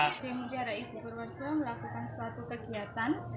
sd mataraibu purwarjo melakukan suatu kegiatan